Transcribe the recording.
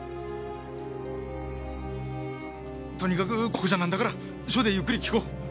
とにかくここじゃなんだから署でゆっくり聞こう。